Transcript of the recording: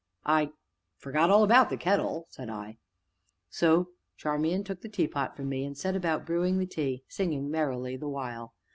"I forgot all about the kettle," said I. So Charmian took the teapot from me, and set about brewing the tea, singing merrily the while.